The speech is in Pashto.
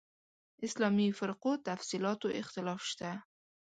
اسلامي فرقو تفصیلاتو اختلاف شته.